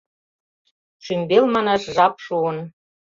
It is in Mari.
«Шӱмбел» манаш жап шуын